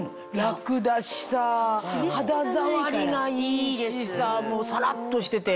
楽だしさ肌触りがいいしさもうサラっとしてて。